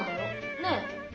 ねえ？